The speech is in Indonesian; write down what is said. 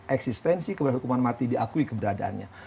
eksistensi keberadaan hukuman mati diakui keberadaannya